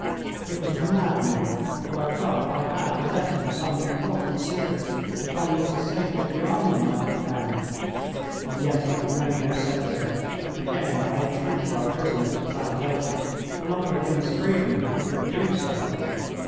It was maddening, for I felt that I had possession of some important secret upon which the safety of the army might depend, and yet I could make no sense of it. Again I entreated our prisoner to translate it, and offered him his freedom if he would do so.